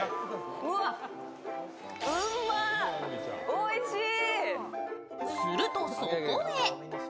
おいしいー！